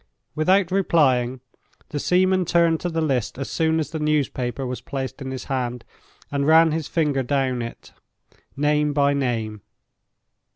Without replying, the seaman turned to the list as soon as the newspaper was placed in his hand, and ran his finger down it, name by name.